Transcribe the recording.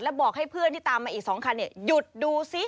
บอกให้เพื่อนที่ตามมาอีก๒คันหยุดดูซิ